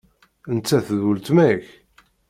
Nettat d weltma-k?